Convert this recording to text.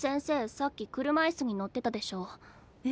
さっき車椅子に乗ってたでしょ。え？